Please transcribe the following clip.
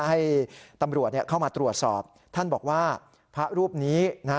ให้ตำรวจเข้ามาตรวจสอบท่านบอกว่าพระรูปนี้นะ